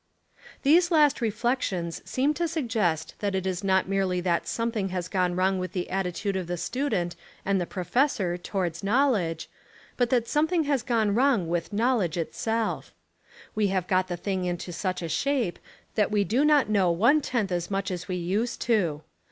These last reflections seem to suggest that it is not merely that something has gone wrong with the attitude of the student and the pro fessor towards knowledge, but that something 25 Essays and Literary Studies has gone wrong with knowledge itself. We have got the thing into such a shape that we do not know one tenth as much as we used to.